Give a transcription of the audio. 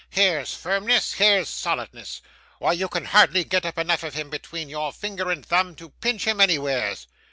'Here's firmness, here's solidness! Why you can hardly get up enough of him between your finger and thumb to pinch him anywheres.